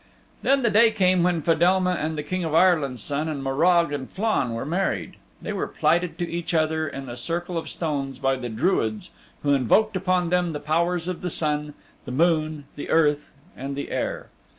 Then the day came when Fedelma and the King of Ireland's Son, and Morag and Flann were married. They were plighted to each other in the Circle of Stones by the Druids who invoked upon them the powers of the Sun, the Moon, the Earth, and the Air.